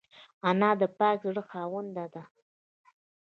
انا د پاک زړه خاونده ده